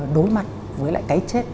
đối mặt với lại cái chết